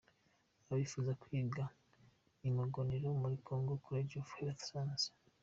Abifuza kwiga i Mugonero muri Ngoma College of Health Sciences.